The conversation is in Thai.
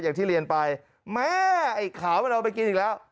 อย่างที่เรียนไปแม่ไอ้ขาวมันเอาไปกินอีกแล้ว